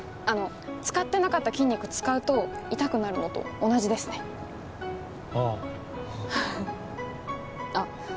あの使ってなかった筋肉使うと痛くなるのと同じですねあああっ